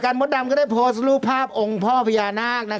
กลับมามดเล็กไปมาถามว่า